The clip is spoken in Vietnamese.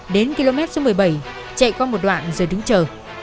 đến km số một mươi bảy chạy qua một đoạn rồi đứng chờ